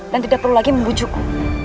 dan tidak perlu lagi membujuku